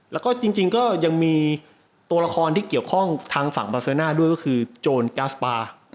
แล้วก็จริงก็ยังมีตัวละครที่เกี่ยวข้องทางฝั่งบาเซอร์น่าด้วยก็คือโจรกัสปา